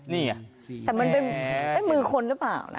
นี่ไงแต่มันเป็นมือคนหรือเปล่านะ